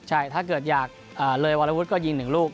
ใช่ถ้าเกิดอยากเลยวรวุฒิก็ยิง๑ลูก